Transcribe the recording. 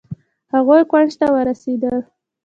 هغوئ کونج ته ورسېدل.